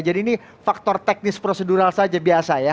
jadi ini faktor teknis prosedural saja biasa ya